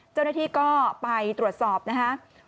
เจ้าหน้าที่ก็ไปตรวจสอบนะฮะ